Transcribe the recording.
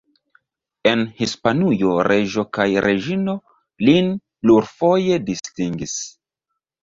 En Hispanujo reĝo kaj reĝino lin plurfoje distingis.